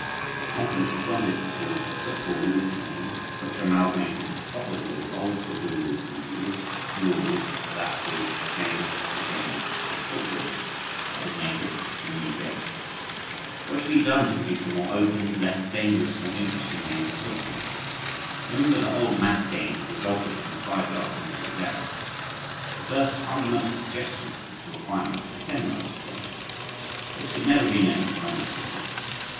The conference appointed a football rules committee, which, amalgamating if possible with the old football rules committee, was to adopt rules that would revise the game of football that would make it a new game. What should be done to produce a more open, less dangerous, more interesting game of football? Remember that the old mass game had resulted from five yards in three downs. The first fundamental suggestion was the requirement of ten yards to gain. This could never be made by mass attack.